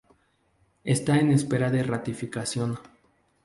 Está en espera de ratificación.